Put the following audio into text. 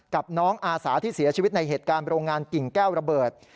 กับน้องอาสาที่เสียชีวิตในเหตุการณ์โรงงานกิ่งแก้วระเบิด